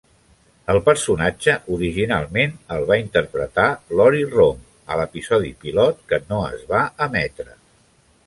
El personatge originalment el va interpretar Lori Rom a l'episodi pilot que no es va emetre.